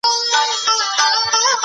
هغه به خپل ټاکل سوی هدف ترلاسه کړي.